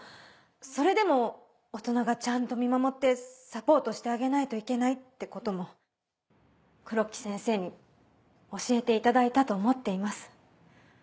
それでも大人がちゃんと見守ってサポートしてあげないといけないってことも黒木先生に教えていただいたと思っています。